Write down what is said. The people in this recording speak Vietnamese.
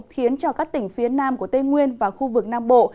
khiến cho các tỉnh phía nam của tây nguyên và khu vực nam bộ